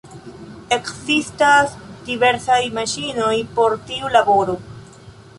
Ekzistas diversaj maŝinoj por tiu laboro.